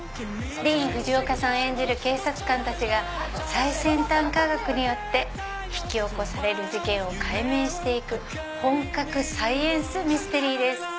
ディーン・フジオカさん演じる警察官たちが最先端科学によって引き起こされる事件を解明して行く本格サイエンスミステリーです。